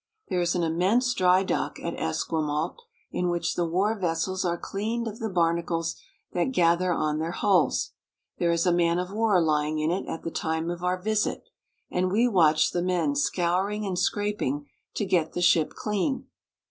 There is an immense dry dock at Esquimalt, in which the war vessels are cleaned of the barnacles that gather on their hulls. There is a man of war lying in it at the time of our visit, and we watch the men scouring and scraping to get the ship clean.